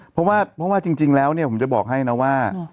เพราะว่าจริงแล้วเนี่ยผมจะบอกให้นะว่า